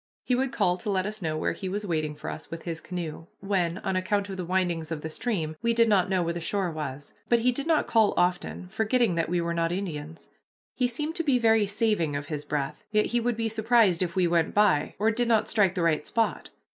He would call to let us know where he was waiting for us with his canoe, when, on account of the windings of the stream, we did not know where the shore was, but he did not call often enough, forgetting that we were not Indians. He seemed to be very saving of his breath yet he would be surprised if we went by, or did not strike the right spot.